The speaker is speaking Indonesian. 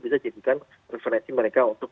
bisa jadikan referensi mereka untuk